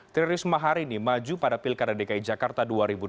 teriris mahar ini maju pada pilkada dki jakarta dua ribu dua puluh